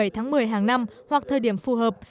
một mươi bảy tháng một mươi hàng năm hoặc thời điểm phù hợp